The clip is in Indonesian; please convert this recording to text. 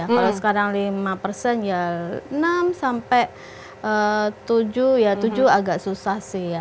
kalau sekarang lima persen ya enam sampai tujuh ya tujuh agak susah sih ya